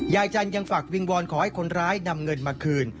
ยายจันทร์ยังฝากวิงวอนขอให้คนร้ายนำเงินมาคืน